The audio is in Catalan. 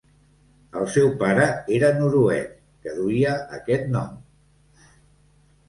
El seu pare era noruec que duia aquest nom.